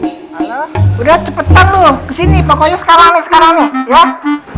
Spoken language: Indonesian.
halo udah cepetan lu kesini pokoknya sekarang nih sekarang nih